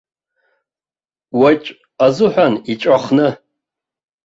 Уаҵә азыҳәан иҵәахны.